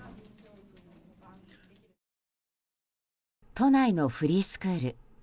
都内のフリースクール。